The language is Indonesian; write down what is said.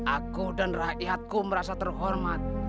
aku dan rakyatku merasa terhormat